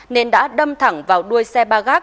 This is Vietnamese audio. nên đã đâm thẳng vào đuôi xe ba gác